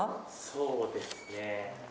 そうですね。